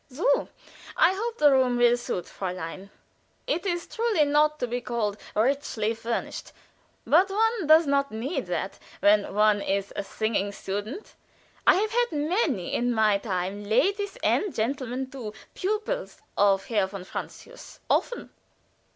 "So! I hope the room will suit, Fräulein. It is truly not to be called richly furnished, but one doesn't need that when one is a Sing student. I have had many in my time ladies and gentlemen too pupils of Herr von Francius often.